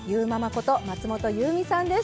こと松本ゆうみさんです。